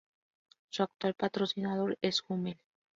Su actual patrocinador es Hummel.